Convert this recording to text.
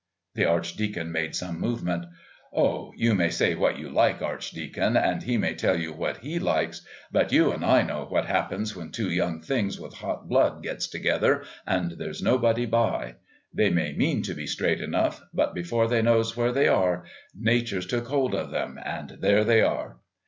The Archdeacon made some movement "Oh, you may say what you like, Archdeacon, and he may tell you what he likes, but you and I know what happens when two young things with hot blood gets together and there's nobody by. They may mean to be straight enough, but before they knows where they are, nature's took hold of them, and there they are....